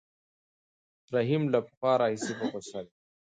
رحیم له پخوا راهیسې په غوسه دی.